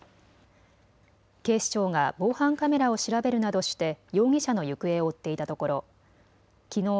警視庁が防犯カメラを調べるなどして容疑者の行方を追っていたところきのう